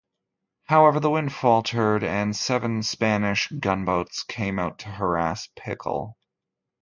However, the wind faltered, and seven Spanish gunboats came out to harass "Pickle".